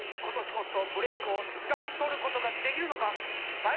今年こそブレイクをつかみ取ることができるのか？